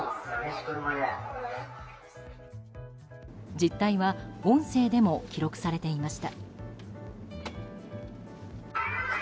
実態は音声でも記録されていました。